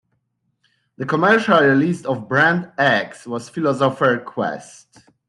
The commercial release of "Brand X" was "Philosopher's Quest".